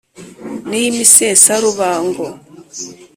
ni iy’ imesarubango :